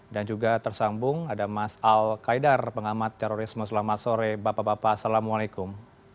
dan juga tersambung ada mas al kaidar pengamat terorisme selamat sore bapak bapak assalamualaikum